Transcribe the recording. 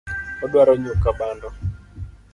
Odwaro nyuka bando